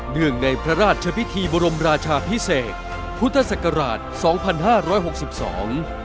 เนื่องในพระราชพิธีบรมราชาพิเศษพุทธศักราชสองพันห้าร้อยหกสิบสอง